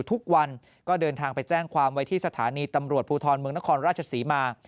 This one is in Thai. ทุกวันก็เดินทางไปแจ้งความไว้ที่สถานีตำรวจภูทรเมืองนครราชศรีมา